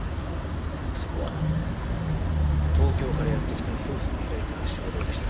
そこは東京からやって来た夫婦が開いた食堂でした。